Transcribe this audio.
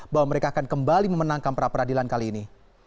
bahwa mereka akan kembali memenangkan perapradilan kali ini